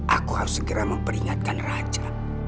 aku harus segera memperingatkan raja